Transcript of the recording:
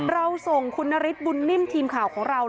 เราส่งคุณนฤทธบุญนิ่มทีมข่าวของเรา